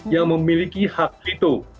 yang memiliki hak vito